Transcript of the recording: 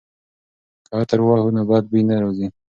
که عطر ووهو نو بد بوی نه راځي.